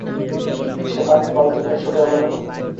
সে পানির বালতি নিয়ে ছুটে এল কেন?